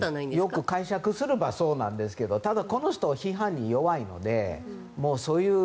よく解釈すればそうなんですがただ、この人、批判に弱いのでもうそういう。